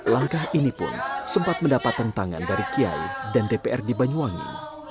langkah ini pun sempat mendapatkan tangan dari kiai dan dprd banyuwangi